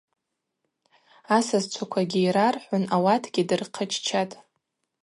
Асасчваквагьи йрархӏвын ауатгьи дырхъыччатӏ.